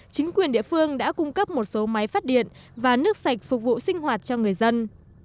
chính quyền địa phương đã cung cấp một số máy phát điện và nước sạch phục vụ sinh hoạt cho người dân